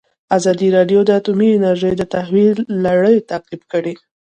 ازادي راډیو د اټومي انرژي د تحول لړۍ تعقیب کړې.